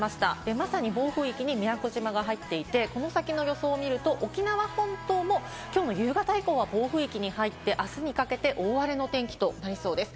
まさに暴風域に宮古島が入っていて、この先の予想を見ると沖縄本島もきょうの夕方以降は暴風域に入って、あすにかけて大荒れの天気となりそうです。